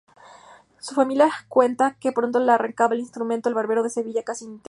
Su familia cuenta que pronto le arrancaba al instrumento "El Barbero de Sevilla"casi íntegro.